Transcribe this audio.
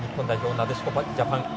なでしこジャパン。